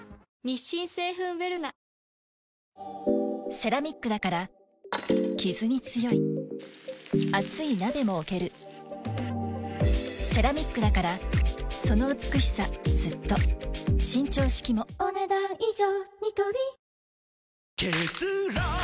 セラミックだからキズに強い熱い鍋も置けるセラミックだからその美しさずっと伸長式もお、ねだん以上。